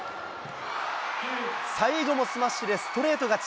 最後もスマッシュでストレート勝ち。